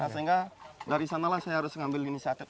sehingga dari sanalah saya harus mengambil inisiatif